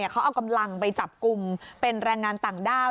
เขาเอากำลังไปจับกลุ่มเป็นแรงงานต่างด้าว